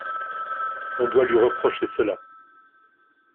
On doit lui reprocher cela.